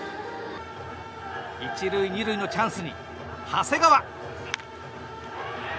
１塁２塁のチャンスに長谷川。